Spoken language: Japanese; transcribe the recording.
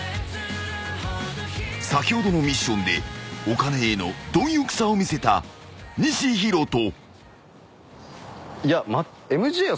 ［先ほどのミッションでお金への貪欲さを見せた西洸人］